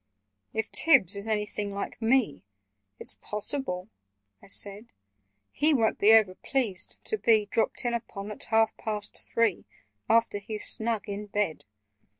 "If Tibbs is anything like me, It's possible," I said, "He won't be over pleased to be Dropped in upon at half past three, After he's snug in bed.